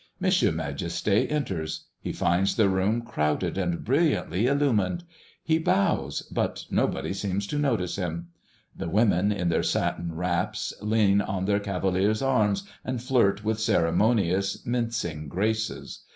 M. Majesté enters. He finds the rooms crowded and brilliantly illumined. He bows, but nobody seems to notice him. The women, in their satin wraps, lean on their cavaliers' arms and flirt with ceremonious, mincing graces.